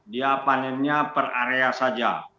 dia panennya per area saja